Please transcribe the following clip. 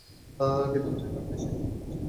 কিন্তু তুই থাকতে সে জীবিত লাশ হয়ে পড়ে আছে।